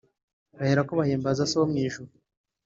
bahereko bahimbaze So wo mu ijuru.